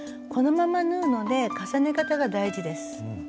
このまま縫うので重ね方が大事です。